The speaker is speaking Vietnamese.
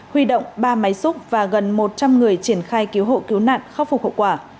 huy động ba máy xúc và gần một trăm linh người triển khai cứu hộ cứu nạn khắc phục hậu quả